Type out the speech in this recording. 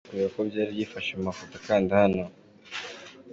Ushaka kureba uko byari byifashe mu mafoto kanda hano.